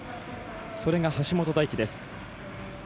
それが橋本大輝です。